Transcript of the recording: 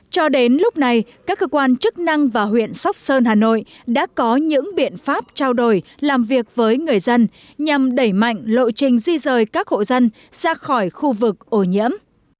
cho đến lúc này các cơ quan chức năng và huyện sóc sơn hà nội đã có những biện pháp trao đổi làm việc với người dân nhằm đẩy mạnh lộ trình di rời các hộ dân ra khỏi khu vực ô nhiễm